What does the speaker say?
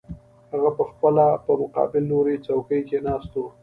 هغه پخپله په مقابل لوري څوکۍ کې ناست و